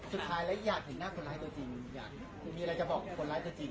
สุดท้ายแล้วอยากเห็นหน้าคนร้ายตัวจริง